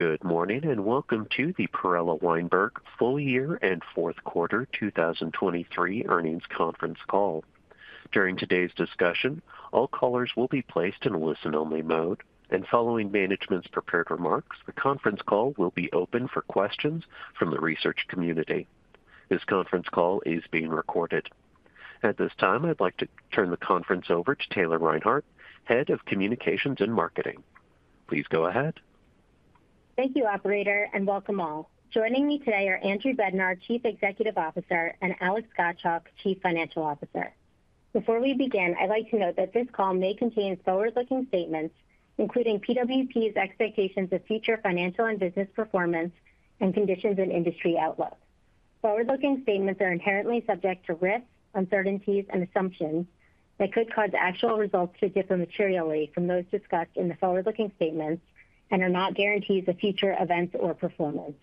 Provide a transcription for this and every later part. Good morning, and welcome to the Perella Weinberg full year and fourth quarter 2023 earnings conference call. During today's discussion, all callers will be placed in a listen-only mode, and following management's prepared remarks, the conference call will be open for questions from the research community. This conference call is being recorded. At this time, I'd like to turn the conference over to Taylor Reinhardt, Head of Communications and Marketing. Please go ahead. Thank you, operator, and welcome all. Joining me today are Andrew Bednar, Chief Executive Officer, and Alex Gottschalk, Chief Financial Officer. Before we begin, I'd like to note that this call may contain forward-looking statements, including PWP's expectations of future financial and business performance and conditions and industry outlook. Forward-looking statements are inherently subject to risks, uncertainties, and assumptions that could cause actual results to differ materially from those discussed in the forward-looking statements and are not guarantees of future events or performance.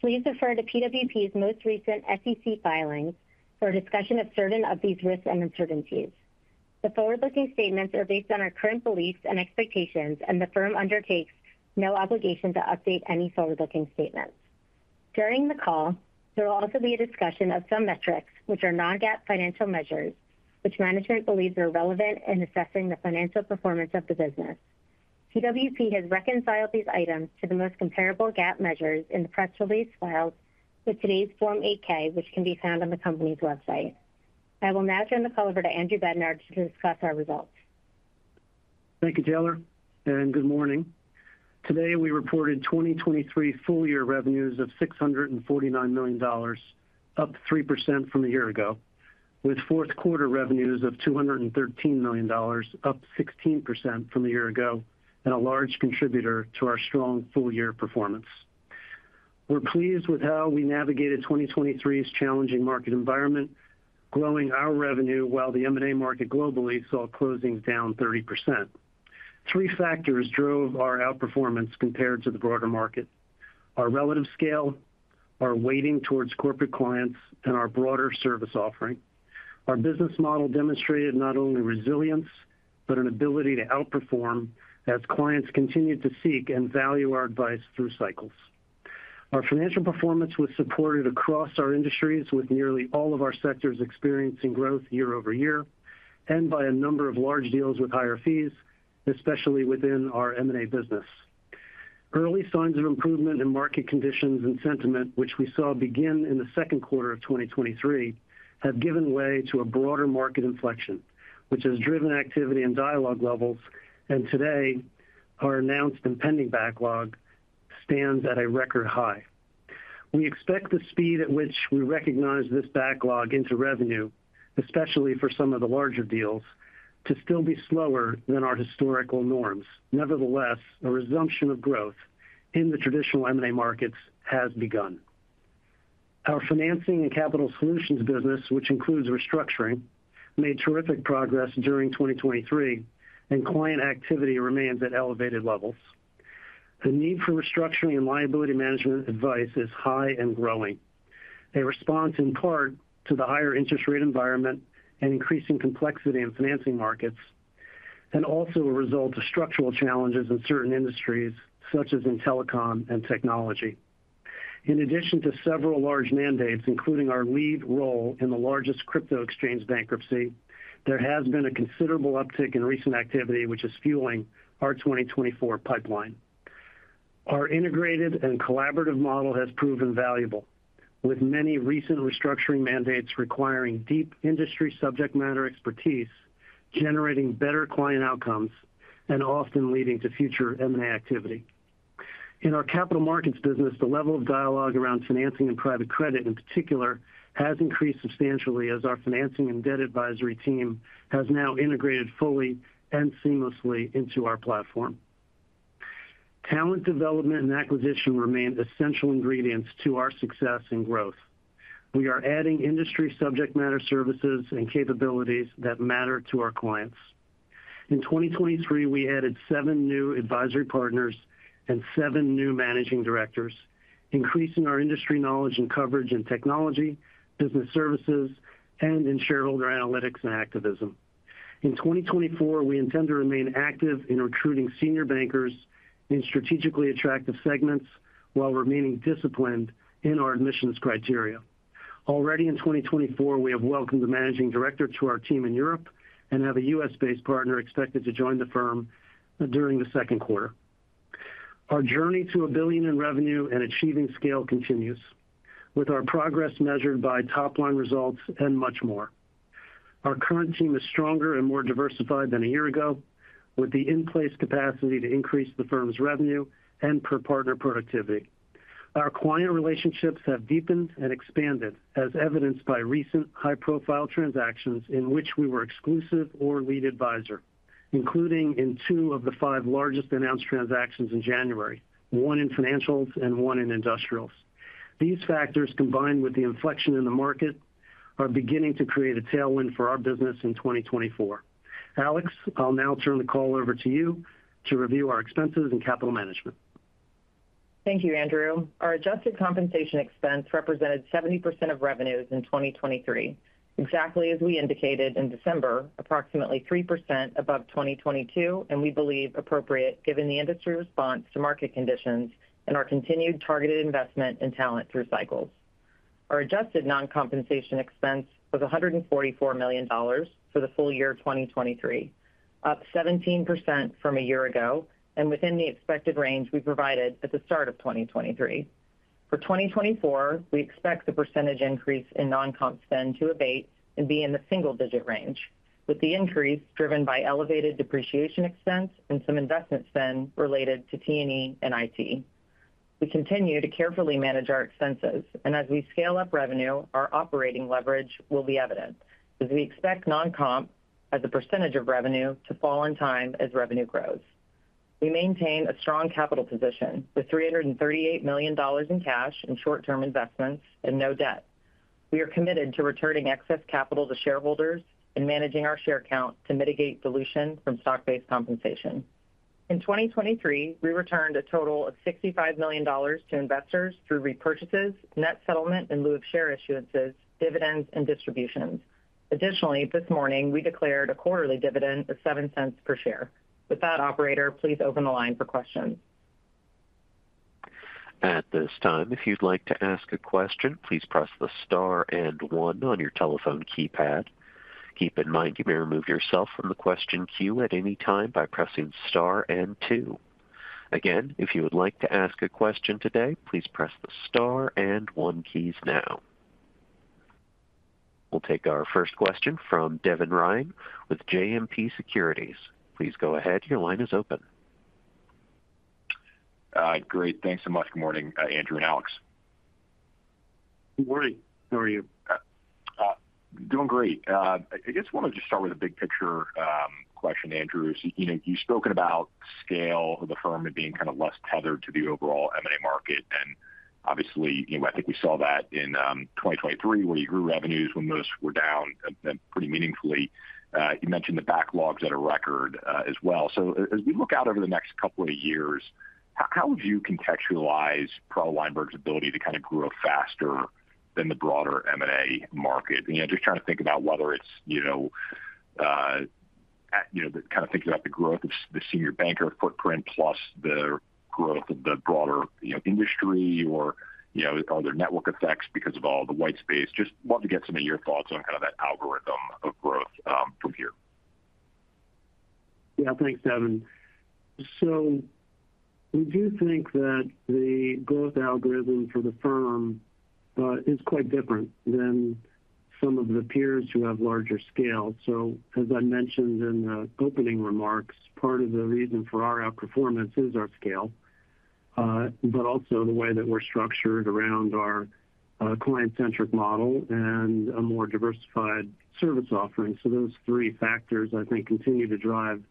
Please refer to PWP's most recent SEC filings for a discussion of certain of these risks and uncertainties. The forward-looking statements are based on our current beliefs and expectations, and the firm undertakes no obligation to update any forward-looking statements. During the call, there will also be a discussion of some metrics which are non-GAAP financial measures, which management believes are relevant in assessing the financial performance of the business. PWP has reconciled these items to the most comparable GAAP measures in the press release filed with today's Form 8-K, which can be found on the company's website. I will now turn the call over to Andrew Bednar to discuss our results. Thank you, Taylor, and good morning. Today, we reported 2023 full-year revenues of $649 million, up 3% from a year ago, with fourth quarter revenues of $213 million, up 16% from a year ago, and a large contributor to our strong full-year performance. We're pleased with how we navigated 2023's challenging market environment, growing our revenue while the M&A market globally saw closings down 30%. Three factors drove our outperformance compared to the broader market: our relative scale, our weighting towards corporate clients, and our broader service offering. Our business model demonstrated not only resilience, but an ability to outperform as clients continued to seek and value our advice through cycles. Our financial performance was supported across our industries, with nearly all of our sectors experiencing growth year-over-year, and by a number of large deals with higher fees, especially within our M&A business. Early signs of improvement in market conditions and sentiment, which we saw begin in the second quarter of 2023, have given way to a broader market inflection, which has driven activity and dialogue levels, and today our announced and pending backlog stands at a record high. We expect the speed at which we recognize this backlog into revenue, especially for some of the larger deals, to still be slower than our historical norms. Nevertheless, a resumption of growth in the traditional M&A markets has begun. Our financing and capital solutions business, which includes restructuring, made terrific progress during 2023, and client activity remains at elevated levels. The need for restructuring and liability management advice is high and growing. A response in part to the higher interest rate environment and increasing complexity in financing markets, and also a result of structural challenges in certain industries, such as in telecom and technology. In addition to several large mandates, including our lead role in the largest crypto exchange bankruptcy, there has been a considerable uptick in recent activity, which is fueling our 2024 pipeline. Our integrated and collaborative model has proven valuable, with many recent restructuring mandates requiring deep industry subject matter expertise, generating better client outcomes and often leading to future M&A activity. In our capital markets business, the level of dialogue around financing and private credit in particular, has increased substantially as our financing and debt advisory team has now integrated fully and seamlessly into our platform. Talent development and acquisition remain essential ingredients to our success and growth. We are adding industry subject matter services and capabilities that matter to our clients. In 2023, we added seven new advisory partners and seven new managing directors, increasing our industry knowledge and coverage in technology, business services, and in shareholder analytics and activism. In 2024, we intend to remain active in recruiting senior bankers in strategically attractive segments while remaining disciplined in our admissions criteria. Already in 2024, we have welcomed a Managing Director to our team in Europe and have a U.S.-based partner expected to join the firm during the second quarter. Our journey to $1 billion in revenue and achieving scale continues, with our progress measured by top-line results and much more. Our current team is stronger and more diversified than a year ago, with the in-place capacity to increase the firm's revenue and per partner productivity. Our client relationships have deepened and expanded, as evidenced by recent high-profile transactions in which we were exclusive or lead advisor, including in two of the five largest announced transactions in January, one in financials and one in industrials. These factors, combined with the inflection in the market, are beginning to create a tailwind for our business in 2024. Alex, I'll now turn the call over to you to review our expenses and capital management. Thank you, Andrew. Our adjusted compensation expense represented 70% of revenues in 2023, exactly as we indicated in December, approximately 3% above 2022, and we believe appropriate given the industry response to market conditions and our continued targeted investment in talent through cycles. Our adjusted non-compensation expense was $144 million for the full year of 2023, up 17% from a year ago, and within the expected range we provided at the start of 2023. For 2024, we expect the percentage increase in non-comp spend to abate and be in the single-digit range, with the increase driven by elevated depreciation expense and some investment spend related to T&E and IT. We continue to carefully manage our expenses, and as we scale up revenue, our operating leverage will be evident, as we expect non-comp, as a percentage of revenue, to fall in time as revenue grows. We maintain a strong capital position, with $338 million in cash and short-term investments and no debt. We are committed to returning excess capital to shareholders and managing our share count to mitigate dilution from stock-based compensation. In 2023, we returned a total of $65 million to investors through repurchases, net settlement in lieu of share issuances, dividends, and distributions. Additionally, this morning, we declared a quarterly dividend of $0.07 per share. With that, operator, please open the line for questions. At this time, if you'd like to ask a question, please press the star and one on your telephone keypad. Keep in mind, you may remove yourself from the question queue at any time by pressing star and two. Again, if you would like to ask a question today, please press the star and one keys now. We'll take our first question from Devin Ryan with JMP Securities. Please go ahead. Your line is open. Great. Thanks so much. Good morning, Andrew and Alex. Good morning. How are you? Doing great. I just wanted to start with a big picture question, Andrew. So, you know, you've spoken about scale of the firm and being kind of less tethered to the overall M&A market, and obviously, you know, I think we saw that in 2023, where you grew revenues when most were down pretty meaningfully. You mentioned the backlogs at a record as well. So as we look out over the next couple of years, how would you contextualize Perella Weinberg's ability to kind of grow faster than the broader M&A market? You know, just trying to think about whether it's, you know, you know, the kind of thinking about the growth of the senior banker footprint plus the growth of the broader, you know, industry or, you know, are there network effects because of all the white space? Just want to get some of your thoughts on kind of that algorithm of growth, from here. Yeah, thanks, Devin. So we do think that the growth algorithm for the firm is quite different than some of the peers who have larger scale. So as I mentioned in the opening remarks, part of the reason for our outperformance is our scale, but also the way that we're structured around our client-centric model and a more diversified service offering. So those three factors, I think, continue to drive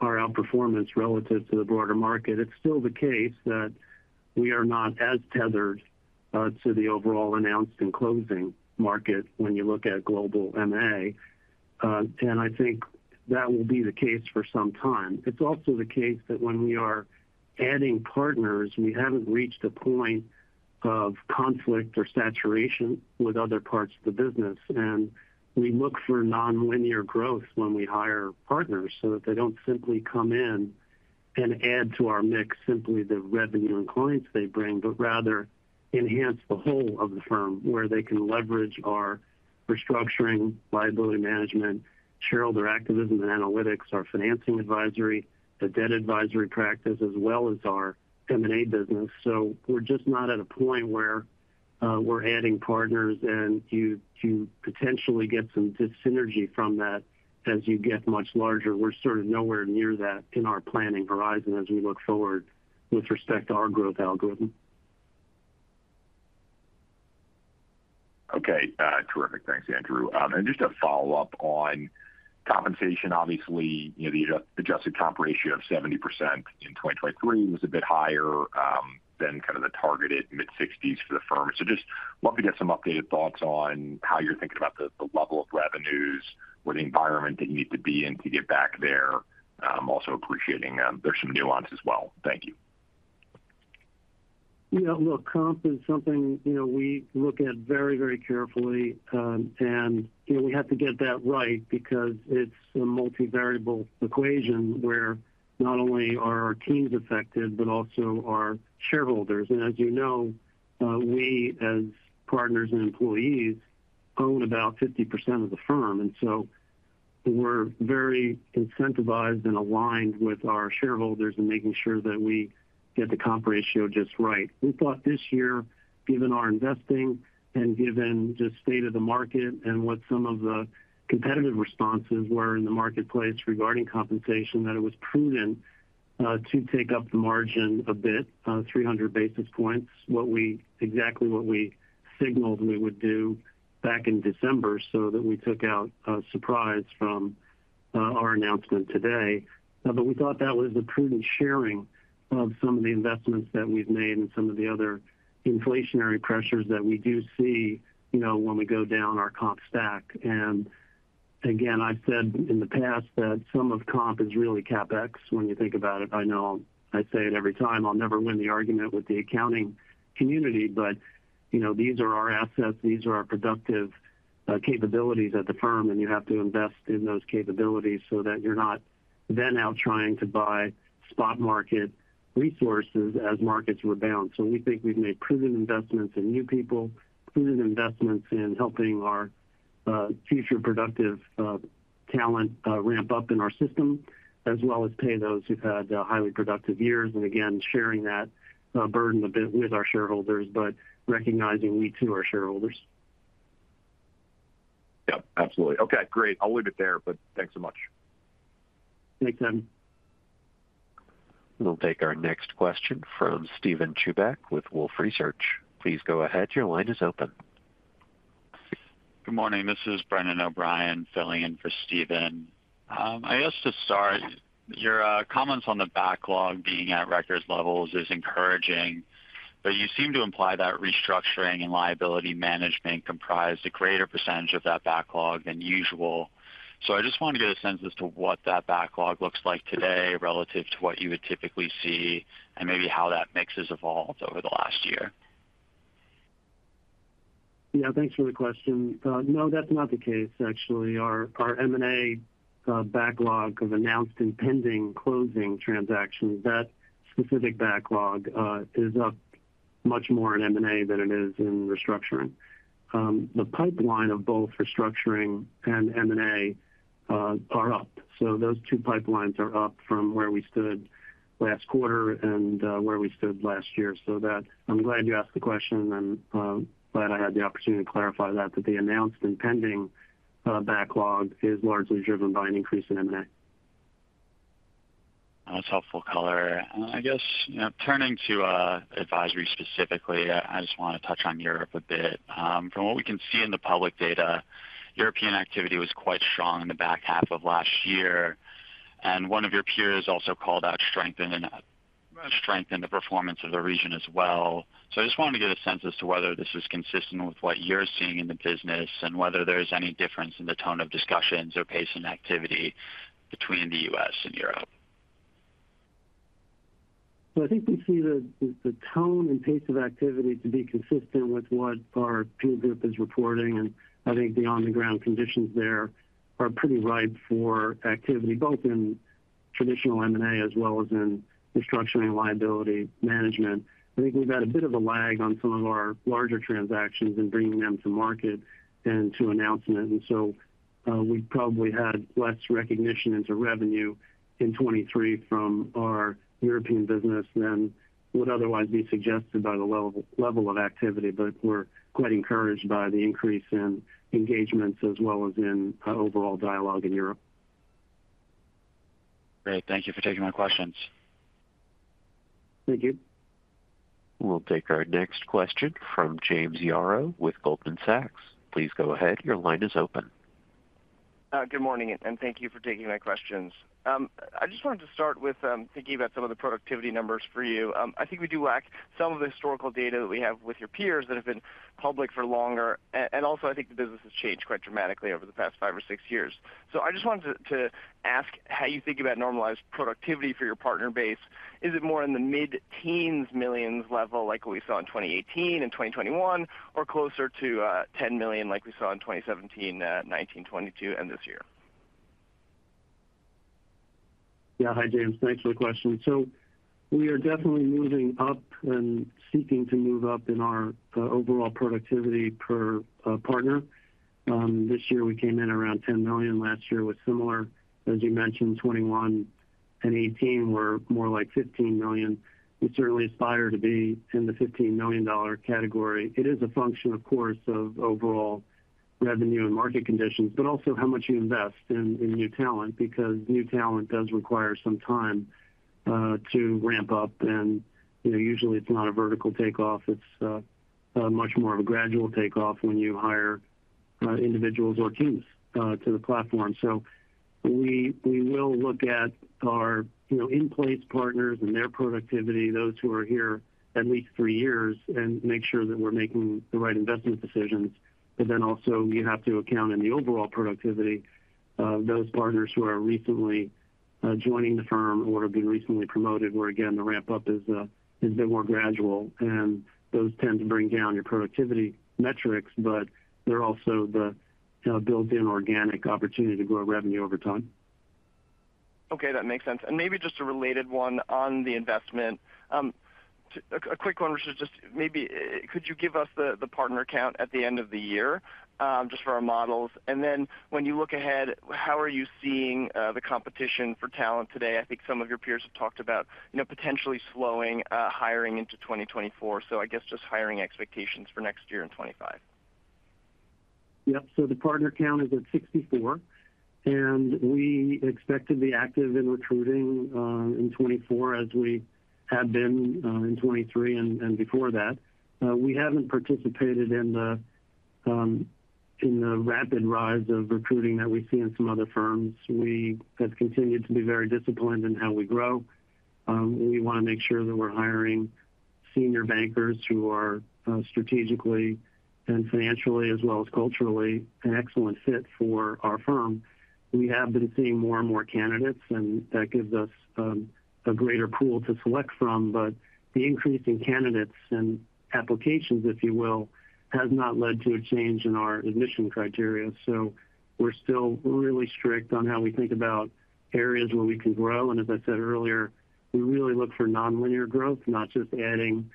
our outperformance relative to the broader market. It's still the case that we are not as tethered to the overall announced and closing market when you look at global M&A, and I think that will be the case for some time. It's also the case that when we are adding partners, we haven't reached a point of conflict or saturation with other parts of the business, and we look for nonlinear growth when we hire partners so that they don't simply come in and add to our mix simply the revenue and clients they bring, but rather enhance the whole of the firm, where they can leverage our restructuring, liability management, shareholder activism and analytics, our financing advisory, the debt advisory practice, as well as our M&A business. So we're just not at a point where we're adding partners and you potentially get some dissynergy from that as you get much larger. We're sort of nowhere near that in our planning horizon as we look forward with respect to our growth algorithm. Okay, terrific. Thanks, Andrew. And just a follow-up on compensation. Obviously, you know, the adjusted comp ratio of 70% in 2023 was a bit higher than kind of the targeted mid-60s% for the firm. So just love to get some updated thoughts on how you're thinking about the level of revenues, what environment that you need to be in to get back there. Also appreciating, there's some nuance as well. Thank you. Yeah, look, comp is something, you know, we look at very, very carefully, and, you know, we have to get that right because it's a multivariable equation where not only are our teams affected, but also our shareholders. And as you know, we, as partners and employees, own about 50% of the firm, and so we're very incentivized and aligned with our shareholders in making sure that we get the comp ratio just right. We thought this year, given our investing and given just state of the market and what some of the competitive responses were in the marketplace regarding compensation, that it was prudent, to take up the margin a bit, 300 basis points. Exactly what we signaled we would do back in December so that we took out a surprise from, our announcement today. But we thought that was a prudent sharing of some of the investments that we've made and some of the other inflationary pressures that we do see, you know, when we go down our comp stack. And again, I've said in the past that some of comp is really CapEx when you think about it. I know I say it every time. I'll never win the argument with the accounting community, but, you know, these are our assets, these are our productive capabilities at the firm, and you have to invest in those capabilities so that you're not then out trying to buy spot market resources as markets rebound. So we think we've made prudent investments in new people, prudent investments in helping our future productive talent ramp up in our system, as well as pay those who've had highly productive years. And again, sharing that burden a bit with our shareholders, but recognizing we too are shareholders. Yep, absolutely. Okay, great. I'll leave it there, but thanks so much. Thanks, Devin. We'll take our next question from Steven Chubak with Wolfe Research. Please go ahead. Your line is open. Good morning, this is Brendan O’Brien filling in for Steven. I guess to start, your comments on the backlog being at record levels is encouraging, but you seem to imply that restructuring and liability management comprise a greater percentage of that backlog than usual. So I just wanted to get a sense as to what that backlog looks like today relative to what you would typically see and maybe how that mix has evolved over the last year. Yeah, thanks for the question. No, that's not the case actually. Our, our M&A backlog of announced and pending closing transactions, that specific backlog, is up much more in M&A than it is in restructuring. The pipeline of both restructuring and M&A are up. So those two pipelines are up from where we stood last quarter and where we stood last year. So, I'm glad you asked the question, and glad I had the opportunity to clarify that the announced and pending backlog is largely driven by an increase in M&A. That's helpful color. I guess, turning to, advisory specifically, I just want to touch on Europe a bit. From what we can see in the public data, European activity was quite strong in the back half of last year, and one of your peers also called out strength in the, strength in the performance of the region as well. I just wanted to get a sense as to whether this is consistent with what you're seeing in the business and whether there's any difference in the tone of discussions or pace and activity between the U.S. and Europe. So I think we see the tone and pace of activity to be consistent with what our peer group is reporting, and I think the on-the-ground conditions there are pretty ripe for activity, both in traditional M&A as well as in restructuring and liability management. I think we've had a bit of a lag on some of our larger transactions in bringing them to market and to announcement. And so, we've probably had less recognition into revenue in 2023 from our European business than would otherwise be suggested by the level of activity. But we're quite encouraged by the increase in engagements as well as in overall dialogue in Europe. Great. Thank you for taking my questions. Thank you. We'll take our next question from James Yaro with Goldman Sachs. Please go ahead. Your line is open. Good morning, and thank you for taking my questions. I just wanted to start with thinking about some of the productivity numbers for you. I think we do lack some of the historical data that we have with your peers that have been public for longer. And also, I think the business has changed quite dramatically over the past five or six years. So I just wanted to ask how you think about normalized productivity for your partner base. Is it more in the mid-teens millions level, like what we saw in 2018 and 2021, or closer to $10 million, like we saw in 2017, 2019, 2022 and this year? Yeah. Hi, James. Thanks for the question. So we are definitely moving up and seeking to move up in our overall productivity per partner. This year, we came in around $10 million. Last year was similar. As you mentioned, 2021 and 2018 were more like $15 million. We certainly aspire to be in the $15 million category. It is a function, of course, of overall revenue and market conditions, but also how much you invest in new talent, because new talent does require some time to ramp up, and usually it's not a vertical takeoff. It's much more of a gradual takeoff when you hire individuals or teams to the platform. So we will look at our, you know, in-place partners and their productivity, those who are here at least three years, and make sure that we're making the right investment decisions. But then also, you have to account in the overall productivity of those partners who are recently joining the firm or have been recently promoted, where again, the ramp-up is a bit more gradual, and those tend to bring down your productivity metrics, but they're also the built-in organic opportunity to grow revenue over time. Okay, that makes sense. And maybe just a related one on the investment. A quick one, which is just maybe, could you give us the partner count at the end of the year, just for our models? And then when you look ahead, how are you seeing the competition for talent today? I think some of your peers have talked about, you know, potentially slowing hiring into 2024. So I guess just hiring expectations for next year in 2025. Yep. So the partner count is at 64, and we expect to be active in recruiting in 2024, as we have been in 2023 and before that. We haven't participated in the rapid rise of recruiting that we see in some other firms. We have continued to be very disciplined in how we grow. We want to make sure that we're hiring senior bankers who are strategically and financially, as well as culturally, an excellent fit for our firm. We have been seeing more and more candidates, and that gives us a greater pool to select from. But the increase in candidates and applications, if you will, has not led to a change in our admission criteria. So we're still really strict on how we think about areas where we can grow. As I said earlier, we really look for nonlinear growth, not just adding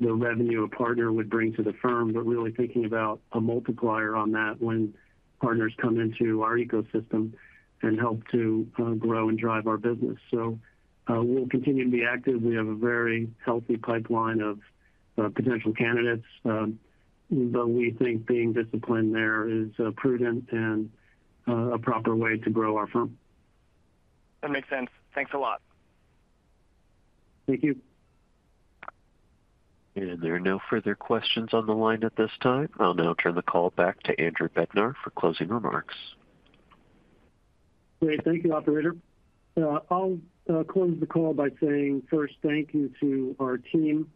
the revenue a partner would bring to the firm, but really thinking about a multiplier on that when partners come into our ecosystem and help to grow and drive our business. We'll continue to be active. We have a very healthy pipeline of potential candidates, but we think being disciplined there is prudent and a proper way to grow our firm. That makes sense. Thanks a lot. Thank you. There are no further questions on the line at this time. I'll now turn the call back to Andrew Bednar for closing remarks. Great. Thank you, operator. I'll close the call by saying first, thank you to our team,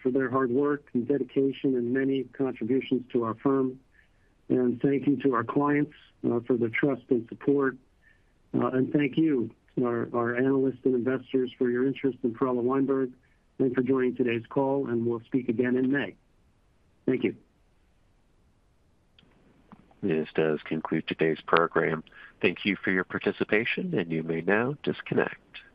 for their hard work and dedication and many contributions to our firm. Thank you to our clients, for their trust and support. Thank you, our analysts and investors, for your interest in Perella Weinberg, and for joining today's call, and we'll speak again in May. Thank you. This does conclude today's program. Thank you for your participation, and you may now disconnect.